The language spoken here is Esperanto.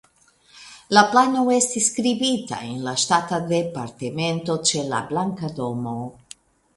La plano estis skribita en la Ŝtata Departemento ĉe la Blanka Domo.